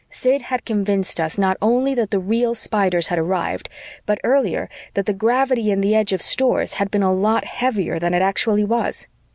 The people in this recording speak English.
Sid had convinced us not only that the real Spiders had arrived, but earlier that the gravity in the edge of Stores had been a lot heavier than it actually was.